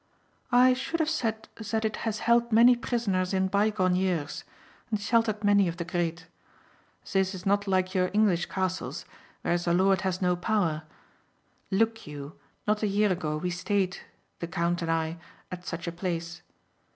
"I should have said that it has held many prisoners in bygone years, and sheltered many of the great. This is not like your English castles where the lord has no power. Look you, not a year ago we stayed, the count and I, at such a place.